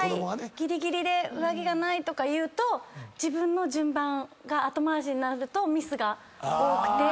ギリギリで「上着がない」とかいうと自分の順番が後回しになるとミスが多くて。